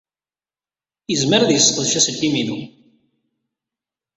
Yezmer ad yesseqdec aselkim-inu.